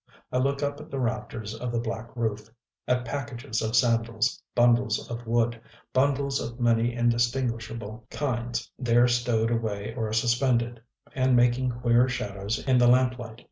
I look up at the rafters of the black roof, at packages of sandals, bundles of wood, bundles of many indistinguishable kinds there stowed away or suspended, and making queer shadows in the lamplight....